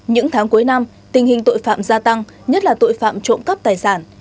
những tháng cuối năm tình hình tội phạm gia tăng nhất là tội phạm trộm cắp tài sản